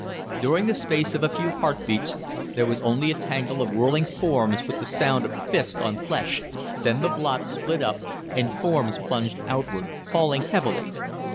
During the space of a few heart beats there was only a tangle of whirling forms with the sound of fist on flesh, then the blot split up and forms plunged outward, falling heavily.